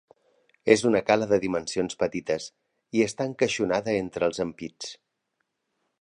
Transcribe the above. És una cala de dimensions petites i està encaixonada entre els empits.